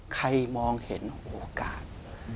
มองเห็นโอกาส